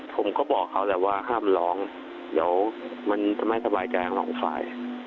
ผมก็บอกเขาว่าลองเดี๋ยวมันจะทำให้สบายใจของสาย